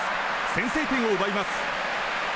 先制点を奪います。